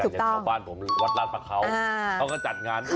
จากชาวบ้านผมวัดราชประเขาเขาก็จัดงาน